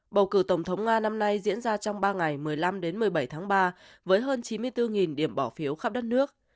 bầu cử tổng thống nga năm nay diễn ra trong ba ngày một mươi năm một mươi bảy tháng ba với hơn chín mươi bốn điểm bỏ phiếu khắp đất nước